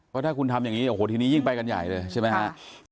เพราะถ้าคุณทำอย่างนี้โอ้โหทีนี้ยิ่งไปกันใหญ่เลยใช่ไหมครับ